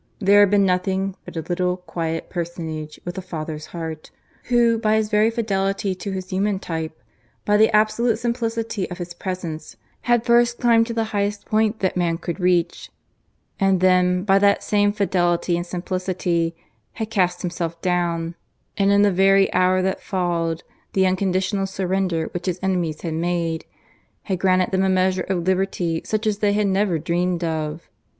There had been nothing but a little quiet personage with a father's heart, who by his very fidelity to his human type, by the absolute simplicity of his presence had first climbed to the highest point that man could reach, and then by that same fidelity and simplicity, had cast himself down, and in the very hour that followed the unconditional surrender which his enemies had made, had granted them a measure of liberty such as they had never dreamed of.